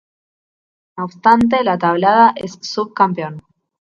No obstante, La Tablada es sub-campeón.